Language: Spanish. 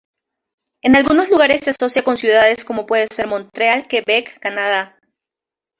En algunos lugares se asocia con ciudades como puede ser Montreal, Quebec, Canadá.